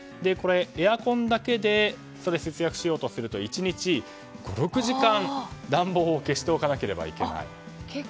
エアコンだけで節約しようとすると１日５６時間暖房を消しておかなければいけない。